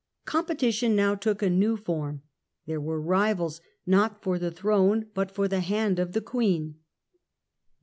Competition now took a new form : there were rivals Joanna ii. not for the throne but for the hand of the Queen.